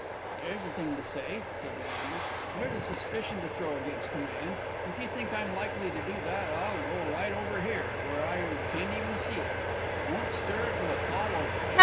"There's a thing to say!" said Leander; "there's a suspicion to throw against a man! If you think I'm likely to do that, I'll go right over here, where I can't even see it, and I won't stir out till it's all over.